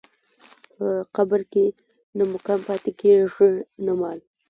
په قبر کې نه مقام پاتې کېږي نه مال.